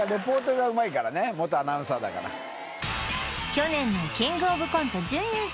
去年のキングオブコント準優勝